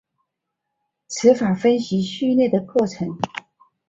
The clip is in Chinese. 词法分析序列的过程。